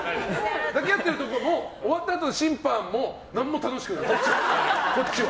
抱き合ってるとこも終わったあとの「審判！」も何も楽しくない、こっちは。